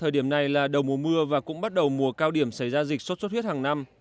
thời điểm này là đầu mùa mưa và cũng bắt đầu mùa cao điểm xảy ra dịch sốt xuất huyết hàng năm